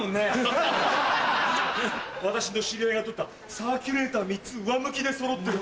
私の知り合いが撮ったサーキュレーター３つ上向きで揃ってる。